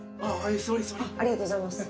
ありがとうございます。